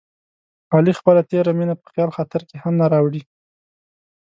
علي خپله تېره مینه په خیال خاطر کې هم نه راوړي.